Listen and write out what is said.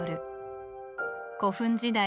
古墳時代